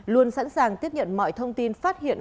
luôn sẵn sàng tiếp nhận mọi thông tin phát hiện